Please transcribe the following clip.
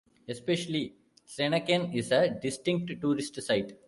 Especially Slenaken is a distinct tourist site.